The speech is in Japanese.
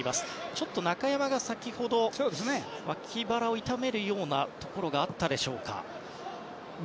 ちょっと中山が先ほど脇腹を痛めるようなところがあったでしょうか。